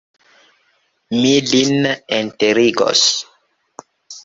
Mi lin enterigos.